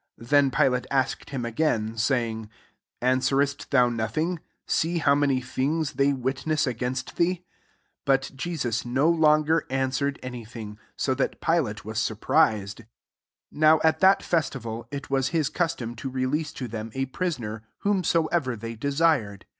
4 Then Pilate asked him again, saying, ^ Answerest thou nothing \ see how many things they witness against thee. S But Jesus no longer answered any thing : ap that PUate was surprized. . 6 Now at that festival, it wa# hi9 custom to release to them a prisoner, whomsoever they de sired.